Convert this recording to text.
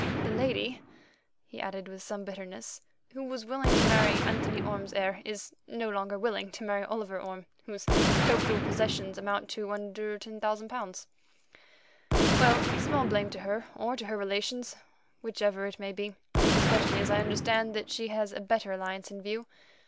The lady," he added with some bitterness, "who was willing to marry Anthony Orme's heir is no longer willing to marry Oliver Orme, whose total possessions amount to under £10,000. Well, small blame to her or to her relations, whichever it may be, especially as I understand that she has a better alliance in view.